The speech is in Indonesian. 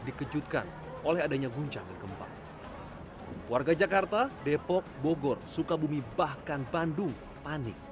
dikejutkan oleh adanya guncangan gempa warga jakarta depok bogor sukabumi bahkan bandung panik